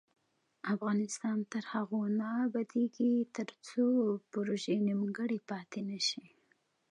افغانستان تر هغو نه ابادیږي، ترڅو پروژې نیمګړې پاتې نشي.